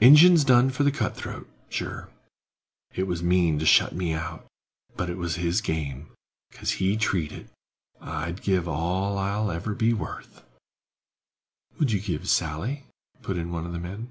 "Ingen's done for the cut throat, sure. It was mean to shut me out; but it was his game, 'cause he treed it. I'd give all I'll ever be worth—" "Would you give Sally?" put in one of the men.